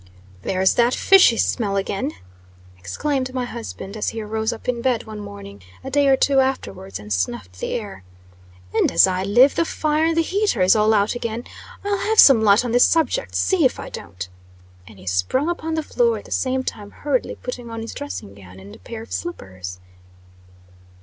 "There's that fishy smell again!" exclaimed my husband, as he arose up in bed one morning, a day or two afterwards, and snuffed the air. "And, as I live, the fire in the heater is all out again! I'll have some light on this subject, see if I don't." And he sprung upon the floor, at the same time hurriedly putting on his dressing gown and a pair of slippers.